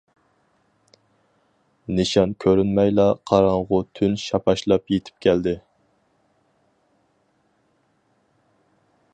نىشان كۆرۈنمەيلا قاراڭغۇ تۈن شاپاشلاپ يېتىپ كەلدى.